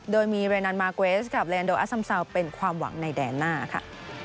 โดยมีเรนันมาร์เกวสกับเรนโดอัสซัมซาวเป็นความหวังในแดนหน้าค่ะ